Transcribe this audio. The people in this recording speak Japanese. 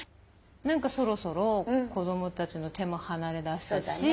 何かそろそろ子どもたちの手も離れだしたし。